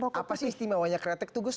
rokok putih apa sih istimewanya kretek tuh gus